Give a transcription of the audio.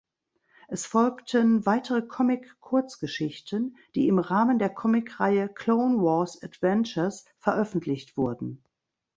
Es folgten weitere Comic-Kurzgeschichten, die im Rahmen der Comicreihe "Clone Wars Adventures" veröffentlicht wurden.